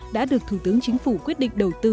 đã được thủ tướng chính phủ quyết định đầu tư